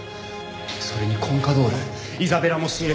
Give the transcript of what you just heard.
それにコンカドールイザベラも仕入れてくれ。